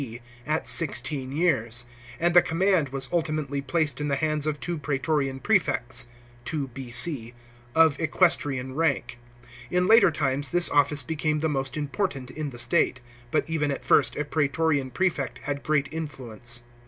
D.) at sixteen years; and the command was ultimately placed in the hands of two prae torian prefects (2 B.C.) of equestrian rank. In later times this office became the most important in the state; but even at first a praetorian prefect had great influence.